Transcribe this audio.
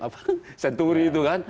apa senturi itu kan